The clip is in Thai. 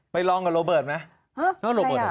ลองกับโรเบิร์ตไหม